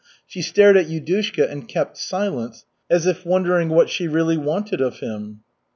She stared at Yudushka and kept silence, as if wondering what she really wanted of him.